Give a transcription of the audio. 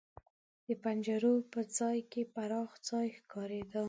د پنجرو په پای کې پراخ ځای ښکارېده.